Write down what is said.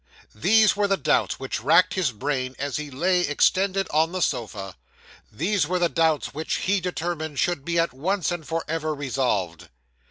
These were the doubts which racked his brain as he lay extended on the sofa; these were the doubts which he determined should be at once and for ever resolved.